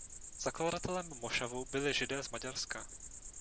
Zakladatelem mošavu byli Židé z Maďarska.